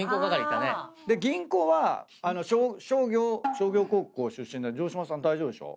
銀行は商業高校出身の城島さん大丈夫でしょ？